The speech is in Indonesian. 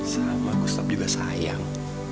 sama gustaf juga sayang